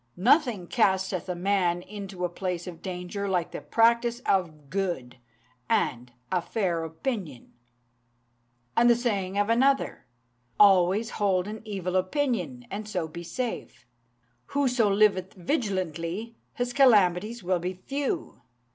Nothing casteth a man into a place of danger like the practice of good, and a fair opinion!' "And the saying of another "'Always hold an evil opinion, and so be safe. Whoso liveth vigilantly, his calamities will be few.